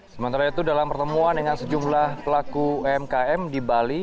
sementara itu dalam pertemuan dengan sejumlah pelaku umkm di bali